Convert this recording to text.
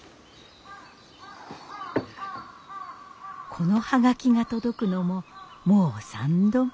この葉書が届くのももう３度目。